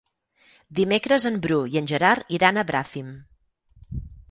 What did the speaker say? Dimecres en Bru i en Gerard iran a Bràfim.